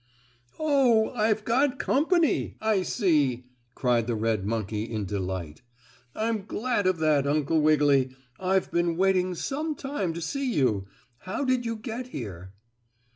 "Oh, I've got company, I see!" cried the red monkey in delight. "I'm glad of that, Uncle Wiggily. I've been waiting some time to see you. How did you get here?"